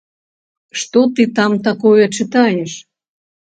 Што ты там такое чытаеш?